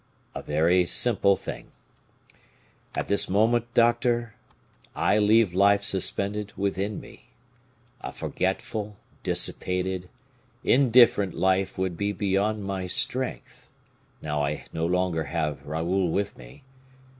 "A very simple thing. At this moment, doctor, I leave life suspended within me. A forgetful, dissipated, indifferent life would be beyond my strength, now I have no longer Raoul with me.